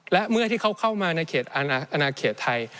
และเมื่อที่เขาเข้ามาอาณาเขตไทย